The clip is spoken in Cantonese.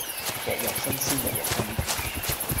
鑊鑊新鮮鑊鑊甘